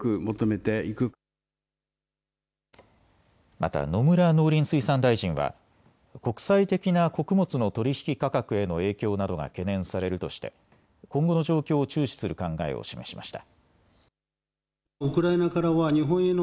また野村農林水産大臣は国際的な穀物の取引価格への影響などが懸念されるとして今後の状況を注視する考えを示しました。